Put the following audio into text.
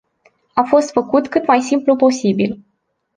A fost făcut cât mai simplu posibil.